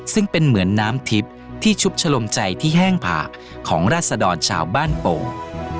ซึ่งเป็นเหมือนน้ำทิพย์ที่ชุบชะลมใจที่แห้งผากของราศดรชาวบ้านโป่ง